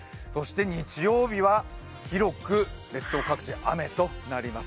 日曜日は広く列島各地雨となります。